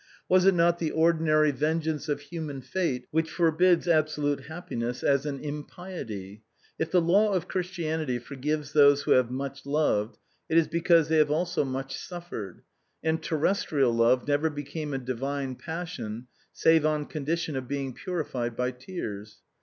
Was it not the ordinary vengeance of human fate which forbids abso lute happiness as an impiety? If the law of Chris tianity forgives those who have much loved, it is because they have also much suffered, and terrestrial love never became a divine passion save on condition of being purified by tears.